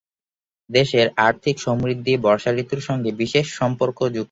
দেশের আর্থিক সমৃদ্ধি বর্ষা ঋতুর সঙ্গে বিশেষ সম্পর্কযুক্ত।